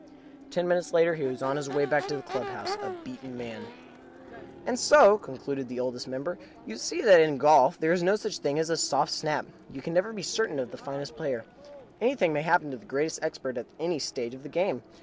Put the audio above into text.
Ten minutes later, he was on his way back to the club house, a beaten man. And so (concluded the Oldest Member) you see that in golf there is no such thing as a soft snap. You can never be certain of the finest player. Anything may happen to the greatest expert at any stage of the game.